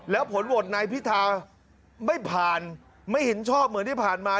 แล้วผลโหวตนายพิธาไม่ผ่านไม่เห็นชอบเหมือนที่ผ่านมา